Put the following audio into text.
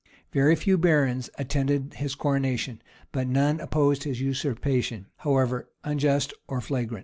Very few barons attended his coronation;[] but none opposed his usurpation, however unjust or flagrant.